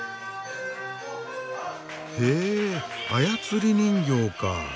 へえ操り人形か。